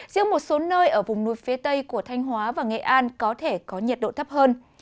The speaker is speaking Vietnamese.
riêng một số nơi ở vùng núi phía tây của thanh hóa và nghệ an có thể có nhiệt độ thấp hơn